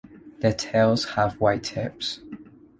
Their tails have white tips.